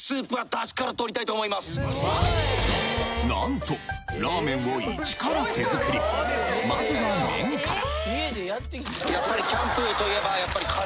なんとラーメンをイチから手作りまずは麺からやっぱり。